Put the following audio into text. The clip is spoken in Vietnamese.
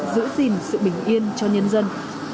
giữ gìn sự bình yên cho nhân dân